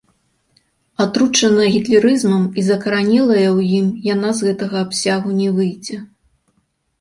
Атручаная гітлерызмам і закаранелая ў ім, яна з гэтага абсягу не выйдзе.